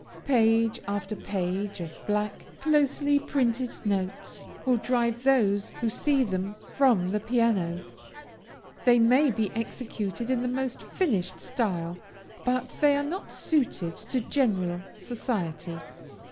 Page after page of black, closely printed notes, will drive those who see them from the piano. They may be executed in the most finished style, but they are not suited to general society.